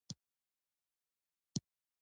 مېوې د افغانستان د انرژۍ سکتور برخه ده.